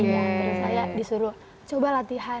terus saya disuruh coba latihan latih ya kak kaniar